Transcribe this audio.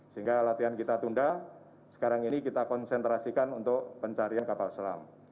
sehingga latihan kita tunda sekarang ini kita konsentrasikan untuk pencarian kapal selam